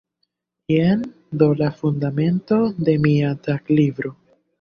Jen do la fundamento de mia taglibro“.